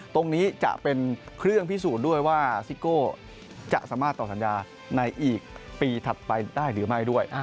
ตรงนี้จะเป็นเครื่องพิสูจน์ด้วยว่าซิโก้จะสามารถต่อสัญญาในอีกปีถัดไปได้หรือไม่ด้วย